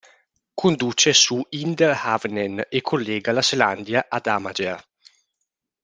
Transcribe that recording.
Conduce su Inderhavnen e collega la Selandia ad Amager.